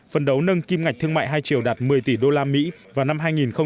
phần đấu nâng kim ngạch thương mại hai triệu đạt một mươi tỷ đô la mỹ vào năm hai nghìn hai mươi